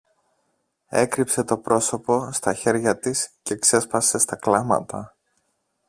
έκρυψε το πρόσωπο στα χέρια της και ξέσπασε στα κλάματα